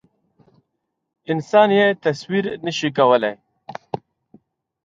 انسان یې تصویر نه شي کولی.